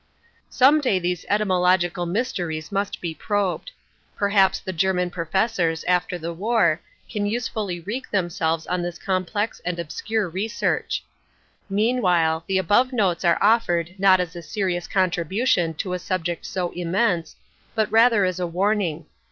Some day these etymological mysteries must be probed. Perhaps the German professors, after the war, can usefully wreak themselves on this complex and obscure research. Meanwhile the above notes are offered not as a serious contribution to a subject so immense, but rather as a warning.